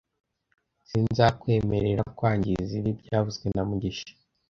Sinzakwemerera kwangiza ibi byavuzwe na mugisha